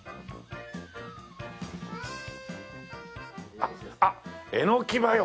あっあっエノキマヨ！